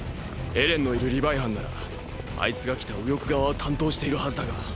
エレンのいるリヴァイ班ならあいつが来た右翼側を担当しているはずだが。